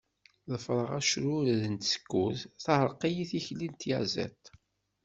Ḍefreɣ acrured n tsekkurt, teɛreq-iyi tikli n tyaẓiḍt.